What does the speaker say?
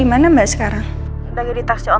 mama pergi ya